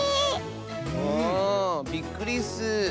あびっくりッス！